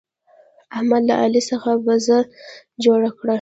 احمد له علي څخه بزه جوړه کړه.